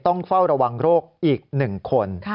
ต้องเฝ้าระวังโรคอีก๑คน